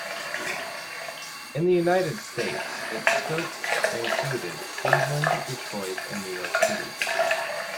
In the United States its scope included Cleveland, Detroit, and New York City.